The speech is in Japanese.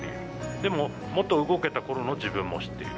でも、元動けたころの自分も知っている。